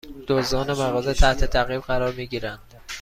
دزدان مغازه تحت تعقیب قرار می گیرند